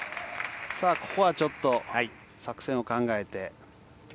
ここはちょっと作戦を考えて。